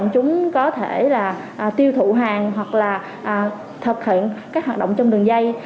chúng có thể là tiêu thụ hàng hoặc là thực hiện các hoạt động trong đường dây